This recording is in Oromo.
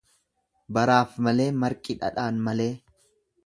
Baraaf malee marqi dhadhaan malee.